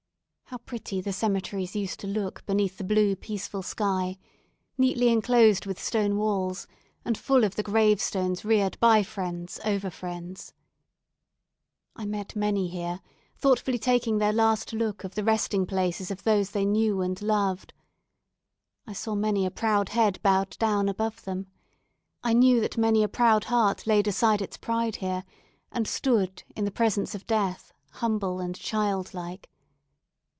How pretty the cemeteries used to look beneath the blue peaceful sky; neatly enclosed with stone walls, and full of the grave stones reared by friends over friends. I met many here, thoughtfully taking their last look of the resting places of those they knew and loved. I saw many a proud head bowed down above them. I knew that many a proud heart laid aside its pride here, and stood in the presence of death, humble and childlike.